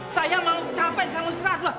saya mau capai yang selesai